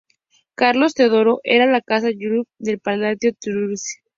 Carlos Teodoro era de la casa Wittelsbach del Palatinado-Sulzbach.